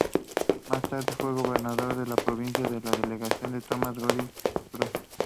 Más tarde fue gobernador de la provincia por delegación de Tomás Godoy Cruz.